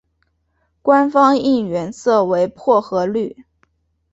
官方应援色为薄荷绿。